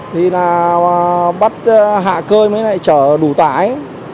thì là bắt hạ cơ mới lại chở đủ tải